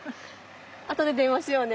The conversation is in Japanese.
あとで電話しようね。